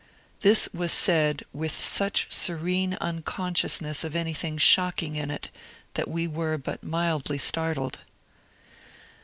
*' This was said with such serene unconsciousness of anything shocking in it that we were but mildly startled.